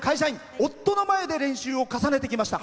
夫の前で練習を重ねてきました。